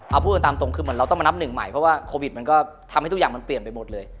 เอาพูดกันตามตรงคือเหมือนเราต้องมานับหนึ่งใหม่เพราะว่าโควิดมันก็ทำให้ทุกอย่างมันเปลี่ยนไปหมดเลย